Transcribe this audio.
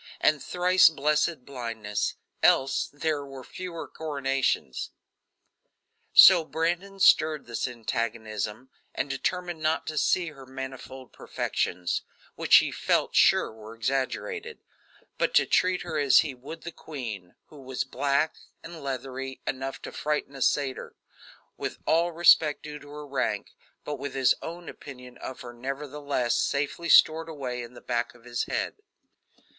and thrice blessed blindness else there were fewer coronations. So Brandon stirred this antagonism and determined not to see her manifold perfections, which he felt sure were exaggerated; but to treat her as he would the queen who was black and leathery enough to frighten a satyr with all respect due to her rank, but with his own opinion of her nevertheless, safely stored away in the back of his head.